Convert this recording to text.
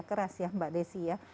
keras ya mbak desi